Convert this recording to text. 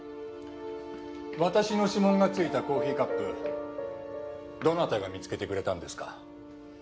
私の指紋がついたコーヒーカップどなたが見つけてくれたんですか？